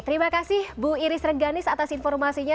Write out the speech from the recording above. terima kasih bu iris rengganis atas informasinya